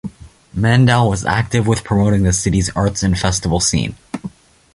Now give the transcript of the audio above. Mandel was active with promoting the city's arts and festival scene.